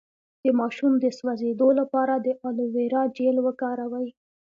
د ماشوم د سوځیدو لپاره د الوویرا جیل وکاروئ